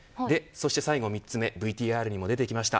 そして最後３つ目ＶＴＲにも出てきました